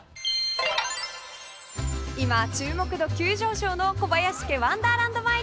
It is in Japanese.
今注目度急上昇の小林家ワンダーランド前に来ています。